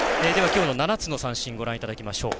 きょうの７つの三振ご覧いただきます。